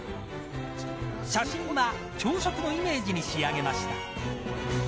写真は朝食のイメージに仕上げました。